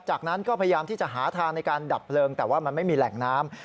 จากนั้นก็พยายามที่จะหาทางในการดับเพลิงแต่ว่ามันไม่มีแหล่งน้ำ